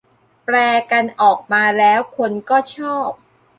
แปลกันออกมาแล้วคนก็ชอบ